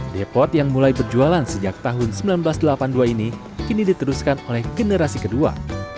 depot yang mulai berjualan sejak tahun seribu sembilan ratus delapan puluh dua ini kini diteruskan oleh generasi kedua